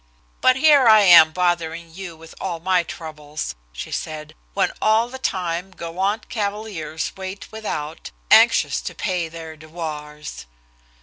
"But here I am bothering you with all of my troubles," she said, "when all the time gallant cavaliers wait without, anxious to pay their devoirs."